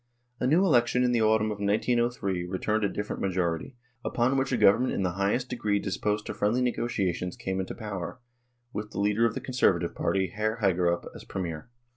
A new election in the autumn of 1903 returned a different majority, upon which a Government in the highest degree disposed to friendly negotiations came into power, with the leader of the Conservative party, Hr. Hagerup, as Premier.